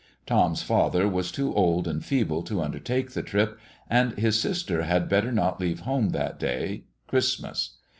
Tom's father was too old and feeble to undertake the trip, and his sister had better not leave home that day Christmas.